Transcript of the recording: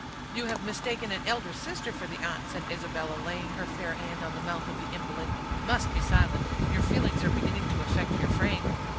"You have mistaken an elder sister for the aunt," said Isabella, laying her fair hand on the mouth of the invalid. "You must be silent! Your feelings are beginning to affect your frame."